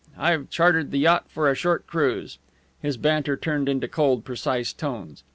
I've chartered the yacht for a short cruise." His banter turned into cold, precise tones.